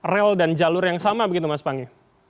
rel dan jalur yang sama begitu mas panggi